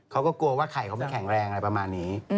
เขาก็กลัวว่าไข่เขาไม่แข็งแรงอะไรประมาณนี้